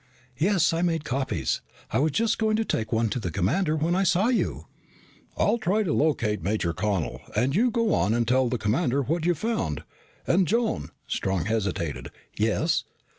"Yes. I made copies. I was just going to take one to the commander when I saw you." "I'll try to locate Major Connel and you go on and tell the commander what you've found. And Joan " Strong hesitated. "Yes?"